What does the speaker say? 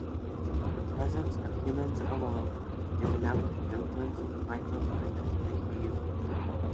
The presence of humans alone is enough to influence the microclimate of a cave.